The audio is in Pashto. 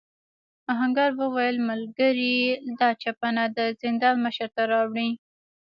آهنګر وویل ملګري دا چپنه د زندان مشر ته راوړې.